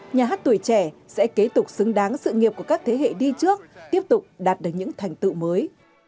nhà hát tuổi trẻ sẽ kế tục xứng đáng sự nghiệp của các thế hệ đi trước tiếp tục đạt được những thành tựu mới